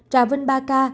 trà vinh ba ca